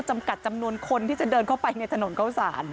จำกัดจำนวนคนที่จะเดินเข้าไปในถนนเข้าสาร